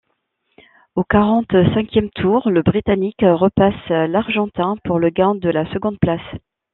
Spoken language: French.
Au quarante-cinquième tour, le Britannique repasse l'Argentin pour le gain de la seconde place.